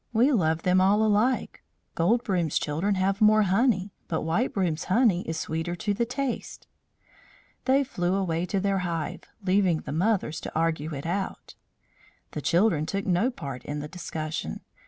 "We love them all alike. Gold Broom's children have more honey, but White Broom's honey is sweeter to the taste." They flew away to their hive, leaving the mothers to argue it out. The children took no part in the discussion.